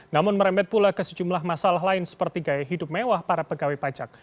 namun merembet pula ke sejumlah masalah lain seperti gaya hidup mewah para pegawai pajak